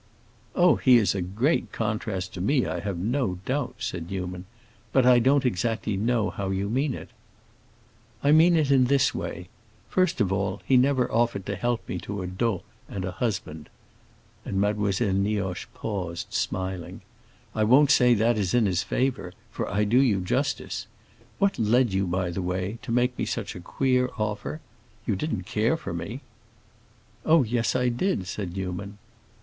"Oh, he is a great contrast to me, I have no doubt" said Newman. "But I don't exactly know how you mean it." "I mean it in this way. First of all, he never offered to help me to a dot and a husband." And Mademoiselle Nioche paused, smiling. "I won't say that is in his favor, for I do you justice. What led you, by the way, to make me such a queer offer? You didn't care for me." "Oh yes, I did," said Newman.